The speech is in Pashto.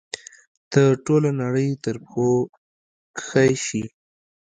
ته ټوله نړۍ تر پښو کښی شي